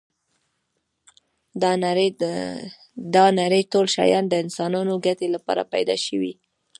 دا نړی ټول شیان د انسانانو ګټی لپاره پيدا شوی